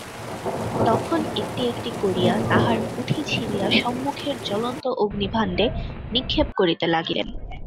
তখন একটি একটি করিয়া তাঁহার পুঁথি ছিঁড়িয়া সম্মুখের জ্বলন্ত অগ্নিভাণ্ডে নিক্ষেপ করিতে লাগিলেন।